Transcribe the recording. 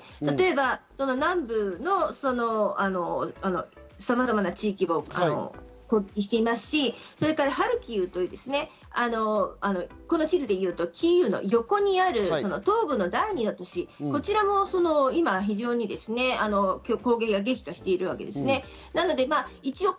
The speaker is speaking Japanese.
例えば南部のさまざまな地域を攻撃してますし、さらにハルキウという、この地図でいうとキーウの横にある東部の第２の都市、こちらも非常に攻撃が激化しているわけです。